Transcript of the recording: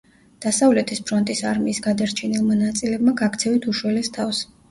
დასავლეთის ფრონტის არმიის გადარჩენილმა ნაწილებმა გაქცევით უშველეს თავს.